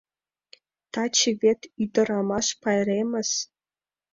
Таче вет ӱдырамаш пайремыс.